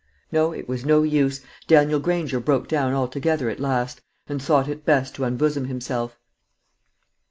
No, it was no use; Daniel Granger broke down altogether at last, and thought it best to unbosom himself.